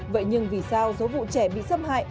vậy nhưng vì sao số vụ trẻ bị xâm hại